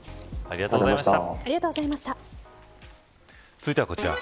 続いてはこちら。